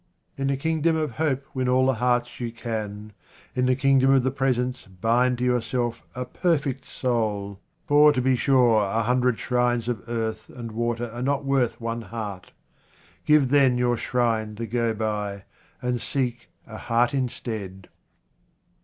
61 QUATRAINS OF OMAR KHAYYAM In the kingdom of hope win all the hearts you can, in the kingdom of the presence bind to yourself a perfect soul, for, be sure, a hundred shrines of earth and water are not worth one heart. Give then your shrine the go by, and seek a heart instead.